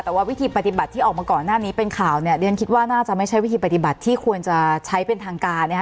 แต่ว่าวิธีปฏิบัติที่ออกมาก่อนหน้านี้เป็นข่าวเนี่ยเรียนคิดว่าน่าจะไม่ใช่วิธีปฏิบัติที่ควรจะใช้เป็นทางการนะคะ